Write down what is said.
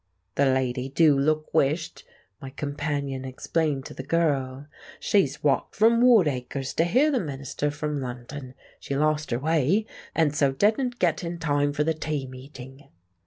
"The lady do look wisht," my companion explained to the girl. "She's walked from Woodacres to hear the minister from London. She lost her way, and so didn't get in time for the tea meeting."